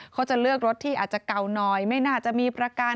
เขาจะเลือกรถที่อาจจะเก่าหน่อยไม่น่าจะมีประกัน